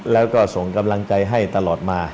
แล้วก็ส่งกำลังใจให้ตลอดมา